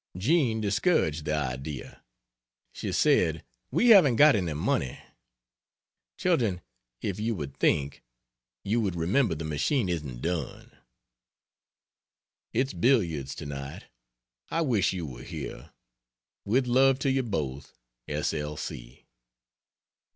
Jean discouraged the idea. She said: "We haven't got any money. Children, if you would think, you would remember the machine isn't done." It's billiards to night. I wish you were here. With love to you both S. L.